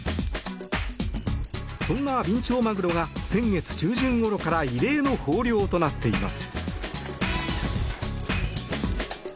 そんなビンチョウマグロが先月中旬ごろから異例の豊漁となっています。